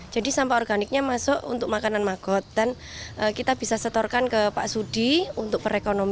jadi sampah organiknya masuk untuk makanan magot dan kita bisa setorkan ke pak sudi untuk perusahaan